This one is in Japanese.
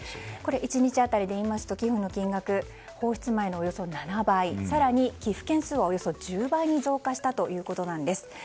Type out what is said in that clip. １日当たりでいいますと寄付金額は放出前のおよそ７倍で更に寄付件数はおよそ１０倍に増加したということなんです。